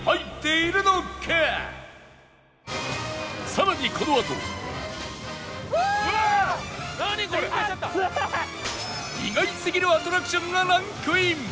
さらに意外すぎるアトラクションがランクイン！